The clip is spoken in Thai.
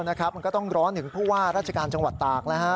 มันก็ต้องร้อนถึงผู้ว่าราชการจังหวัดตาก